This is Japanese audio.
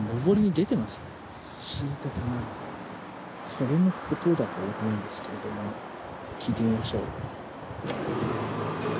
それのことだと思うんですけども聞いてみましょう。